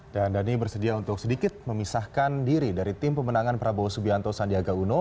dan dhani bersedia untuk sedikit memisahkan diri dari tim pemenangan prabowo subianto sandiaga uno